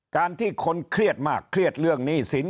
การที่คนเครียดมากเครียดเรื่องหนี้สิน